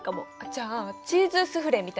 じゃあチーズスフレみたいに？